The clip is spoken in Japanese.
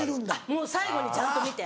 もう最後にちゃんと見て。